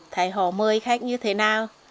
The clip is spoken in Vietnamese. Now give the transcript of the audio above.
thấy họ mời khách như thế nào